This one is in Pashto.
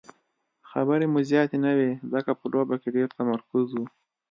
خبرې مو زیاتې نه وې ځکه په لوبه کې ډېر تمرکز وو.